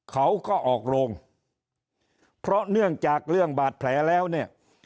เขาก็ออกโรงเพราะเนื่องจากเรื่องบาดแผลแล้วเนี่ย